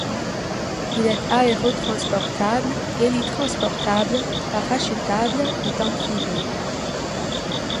Il est aérotransportable, hélitransportable, parachutable et amphibie.